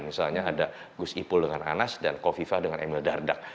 misalnya ada gus ipul dengan anas dan kofifa dengan emil dardak